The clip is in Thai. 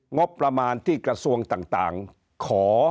งบประมาณที่กระทรวงต่างขอ